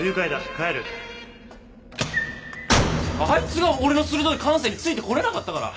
帰るあいつが俺の鋭い感性についてこれなかったから。